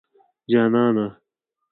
جانانه